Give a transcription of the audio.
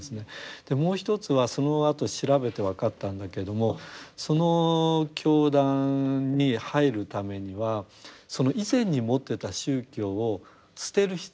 もう一つはそのあと調べて分かったんだけれどもその教団に入るためにはその以前に持ってた宗教を捨てる必要がない。